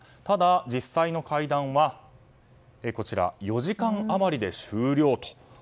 ただ、実際の会談は４時間余りで終了と。